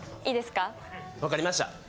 分かりました。